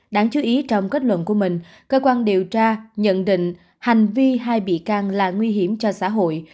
đáng chú ý trong kết luận của mình cơ quan điều tra nhận định hành vi hai bị can là nguy hiểm cho xã hội